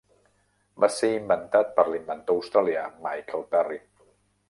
Va ser inventat per l'inventor australià Michael Perry.